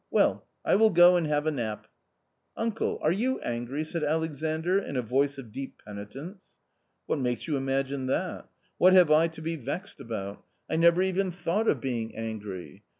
Well, I will go and have a nap." " Uncle ! are you angry ?" said Alexandr in a voice of deep penitence. "What makes you imagine that? What have I to be vexed about ? I never even thought of being angry.